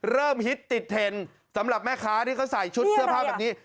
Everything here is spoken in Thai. ฮิตติดเทนสำหรับแม่ค้าที่เขาใส่ชุดเสื้อผ้าแบบนี้